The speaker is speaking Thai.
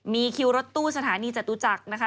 มีคิวรถตู้สถานีจตุจักรนะคะ